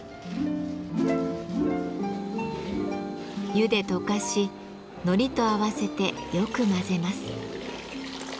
湯で溶かしノリと合わせてよく混ぜます。